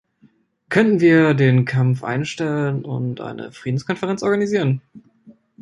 Könnten wir den Kampf einstellen und eine Friedenskonferenz organisieren?